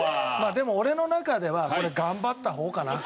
でも俺の中ではこれ頑張った方かな。